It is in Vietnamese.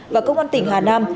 và công an tỉnh hà nam